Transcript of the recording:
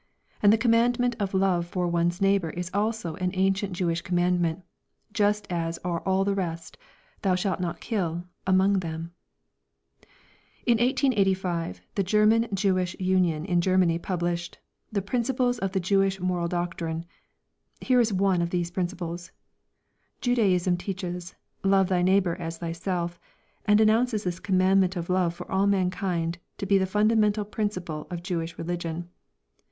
And the commandment of love for one's neighbour is also an ancient Jewish commandment, just as are all the rest, "thou shalt not kill" among them. In 1885 the German Jewish Union in Germany published "The Principles of the Jewish Moral Doctrine." Here is one of these principles: "Judaism teaches: 'Love thy neighbour as thyself' and announces this commandment of love for all mankind to be the fundamental principle of Jewish religion.